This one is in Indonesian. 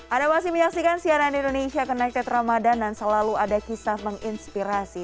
anda masih menyaksikan cnn indonesia connected ramadan dan selalu ada kisah menginspirasi